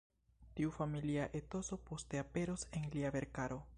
Tiu familia etoso poste aperos en lia verkaro.